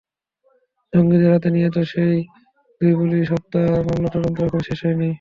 জঙ্গিদের হাতে নিহত সেই দুই পুলিশ হত্যা মামলার তদন্ত এখনো শেষ হয়নি।